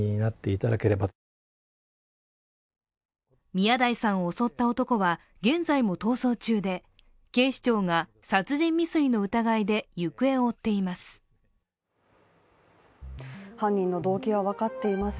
宮台さんを襲った男は、現在も逃走中で警視庁が殺人未遂の疑いで行方を追っています。